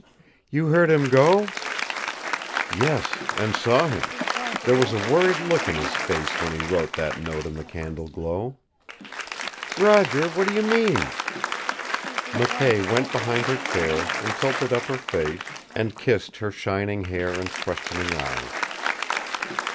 "You heard him go?" "Yes, and saw him. There was a worried look in his face when he wrote that note in the candle glow." "Roger, what do you mean?" McKay went behind her chair, and tilted up her face, and kissed her shining hair and questioning eyes.